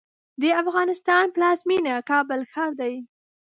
د افغانستان پلازمېنه کابل ښار دی.